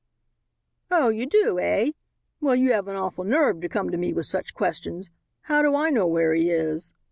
"Oh, you do, eh? Well, you have an awful nerve to come to me with such questions. How do I know where he is?"